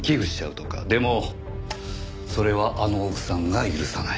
でもそれはあの奥さんが許さない。